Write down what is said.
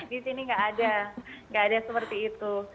di sini nggak ada nggak ada seperti itu